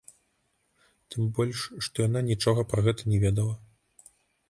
Тым больш, што яна нічога пра гэта не ведала.